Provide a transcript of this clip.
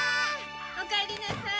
おかえりなさい。